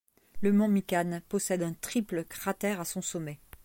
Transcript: Le mont Meakan possède un triple cratère à son sommet.